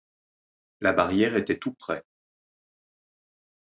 La barrière était tout près.